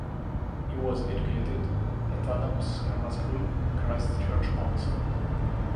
He was educated at Adams' Grammar School and Christ Church, Oxford.